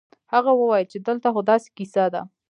هغه وويل چې دلته خو داسې کيسه ده.